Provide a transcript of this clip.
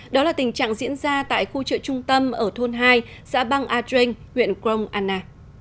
đó là tình trạng diễn ra tại khu chợ trung tâm ở thôn hai xã băng anh huyện crong anna